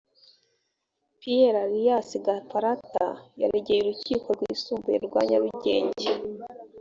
pierre alias gaparata yaregeye urukiko rwisumbuye rwa nyarugenge